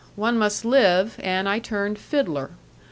One must live, and I turned fiddler.